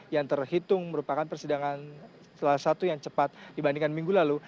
yang terhitung merupakan persidangan salah satu yang cepat dibandingkan minggu lalu